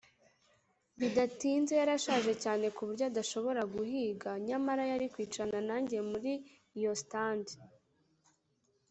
bidatinze, yarashaje cyane ku buryo adashobora guhiga, nyamara yari kwicarana nanjye muri iyo stand,